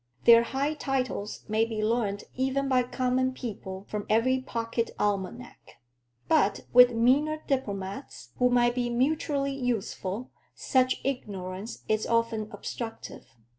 Their high titles may be learned even by common people from every pocket almanac. But with meaner diplomats, who might be mutually useful, such ignorance is often obstructive.